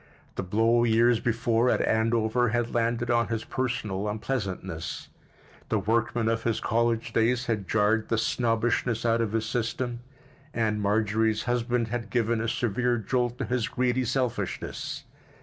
The blow years before at Andover had landed on his personal unpleasantness; the workman of his college days had jarred the snobbishness out of his system, and Marjorie's husband had given a severe jolt to his greedy selfishness.